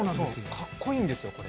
かっこいいんですよこれ。